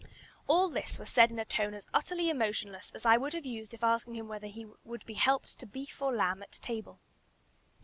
All this was said in a tone as utterly emotionless as I would have used if asking him whether he would be helped to beef or lamb at table.